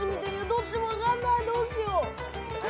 どっちも分かんないどうしよう。